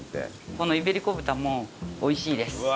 このイベリコ豚も美味しいです。